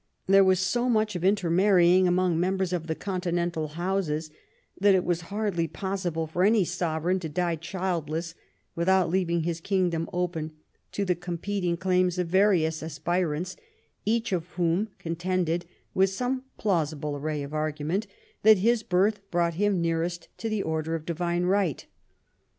There was so much of inter marrying among members of the continental houses that it was hardly possible for any sovereign to die childless without leaving his kingdom open to the competing claims of various aspirants, each of whom contended, with some plausible array of argument, that his birth brought him nearest in the order of divine right.